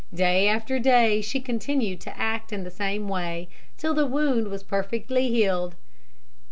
Day after day she continued to act in the same way, till the wound was perfectly healed.